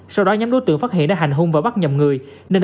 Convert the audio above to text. sau đó nhóm đối tượng phát hiện đã hành hung và bắt nhầm người nên